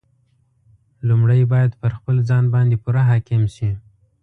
لومړی باید پر خپل ځان باندې پوره حاکم شي.